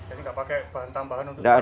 jadi nggak pakai bahan tambahan untuk perangkat